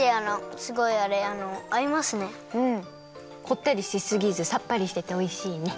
こってりしすぎずさっぱりしてておいしいね。